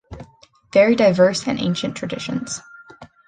Very diverse and ancient traditions.